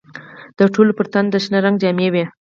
د ټولو پر تن د شنه رنګ جامې وې.